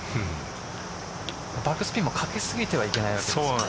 バックスピンもかけ過ぎてはいけないわけですよね。